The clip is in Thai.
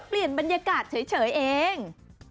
เปลี่ยนบรรยากาศเฉยเอง